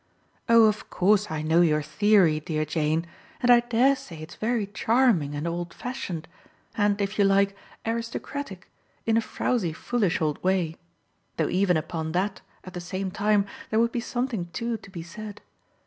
"Oh of course I know your theory, dear Jane, and I dare say it's very charming and old fashioned and, if you like, aristocratic, in a frowsy foolish old way though even upon that, at the same time, there would be something too to be said.